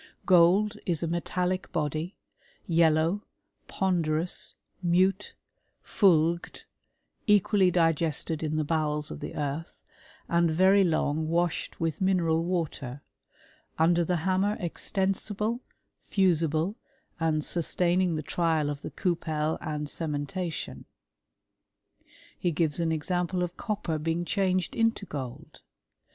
'^ Gold is a metallic body, yellow, ponderous, mute, fulged, equally digested in the bowels of the earth, and very iong washed with mineral water ; under the hammer extensible, fusible, and sustaining the trial of the cupel and cementation."J He gives an example of copper being changed into gold.